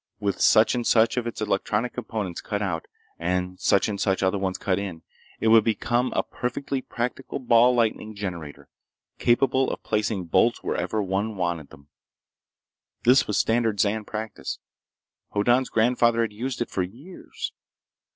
With such and such of its electronic components cut out, and such and such other ones cut in, it would become a perfectly practical ball lightning generator, capable of placing bolts wherever one wanted them. This was standard Zan practice. Hoddan's grandfather had used it for years.